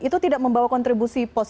itu tidak membawa kontribusi pos